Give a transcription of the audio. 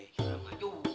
cuma juga dong